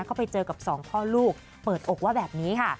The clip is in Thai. ก็ไปเจอกับสองพ่อลูกเปิดอกว่าแบบนี้ค่ะ